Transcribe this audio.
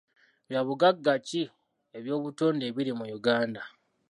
Bya bugagga ki eby'obutonde ebiri mu Uganda?